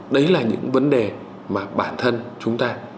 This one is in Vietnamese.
đấy là những vấn đề mà bản thân chúng ta